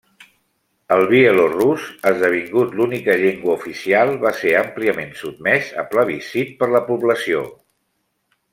El bielorús, esdevingut l'única llengua oficial, va ser àmpliament sotmès a plebiscit per la població.